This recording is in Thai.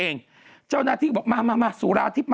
นุ่มปลอมอ่ะนุ่มปลอมอะ